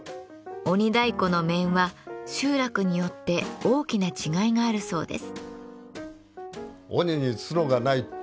鬼太鼓の面は集落によって大きな違いがあるそうです。